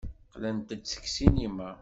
Qqlent-d seg ssinima.